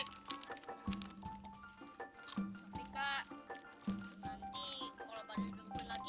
tapi kak nanti kalau badannya mulai lagi